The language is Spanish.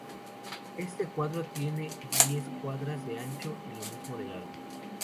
Este cuadrado tiene diez cuadras de ancho y lo mismo de largo.